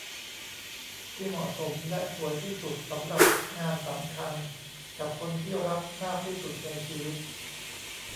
ที่เหมาะสมและสวยที่สุดสำหรับงานสำคัญกับคนที่รักมากที่สุดในชีวิต